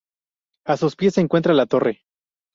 A sus pies se encuentra la torre.